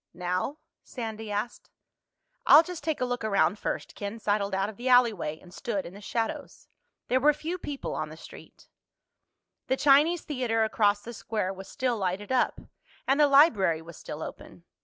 "Now?" Sandy asked. "I'll just take a look around first." Ken sidled out of the alleyway and stood in the shadows. There were few people on the street. The Chinese Theater across the square was still lighted up, and the library was still open.